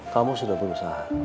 kamu sudah berusaha